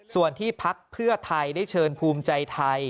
ส่วนที่พักเพื่อไทยได้เชิญภูมิใจไทย